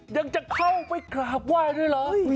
ยังจะเข้าไปกราบไหว้ด้วยเหรอ